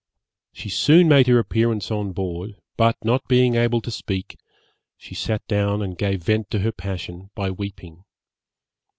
She soon made her appearance on board, but, not being able to speak, she sat down and gave vent to her passion by weeping.